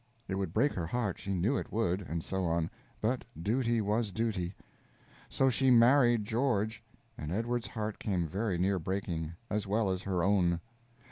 It would break her heart, she knew it would, and so on; but duty was duty. So she married George, and Edward's heart came very near breaking, as well as her own.